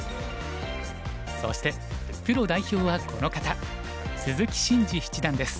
そしてプロ代表はこの方鈴木伸二七段です。